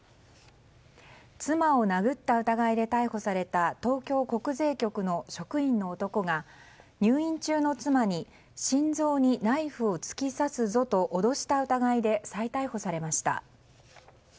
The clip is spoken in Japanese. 妻を殴った疑いで逮捕された東京国税局の職員の男が、入院中の妻に心臓にナイフを突き刺すぞと脅した疑いで再逮捕されました。